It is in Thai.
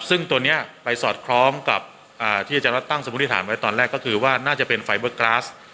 ซึ่งตัวนี้ไปสอดคล้องกับที่อาจารย์รัฐตั้งสมมติฐานไว้ตอนแรกก็คือว่าน่าจะเป็นไฟเบอร์กราส